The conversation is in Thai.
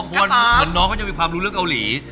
เพราะน้องค่อยมีความรู้เรื่องเกาหลี